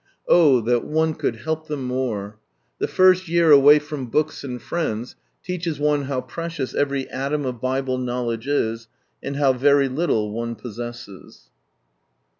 Oh that one could help them more I The first year away from books and friends, teaches one bow precious every atom of Bible knowledge is, and how very little one possesses.